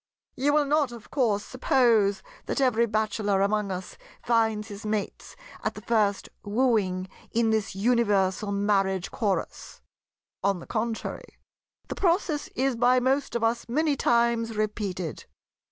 "You will not, of course, suppose that every bachelor among us finds his mates at the first wooing in this universal Marriage Chorus. On the contrary, the process is by most of us many times repeated.